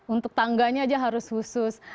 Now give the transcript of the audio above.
untuk tangganya aja harus khusus